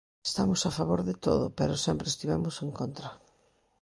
Estamos a favor de todo, pero sempre estivemos en contra.